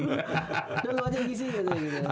udah lu aja ngisi aja